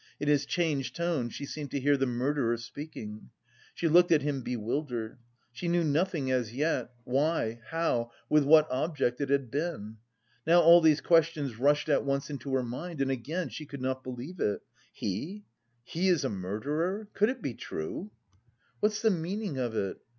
In his changed tone she seemed to hear the murderer speaking. She looked at him bewildered. She knew nothing as yet, why, how, with what object it had been. Now all these questions rushed at once into her mind. And again she could not believe it: "He, he is a murderer! Could it be true?" "What's the meaning of it?